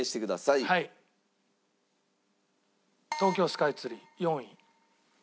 東京スカイツリー４位。